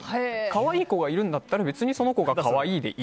可愛い子がいるんだったら別にその子が可愛いで何？